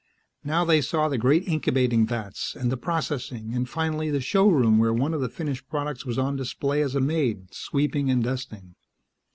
Now they saw the great incubating vats, and the processing and finally the showroom where one of the finished products was on display as a maid, sweeping and dusting.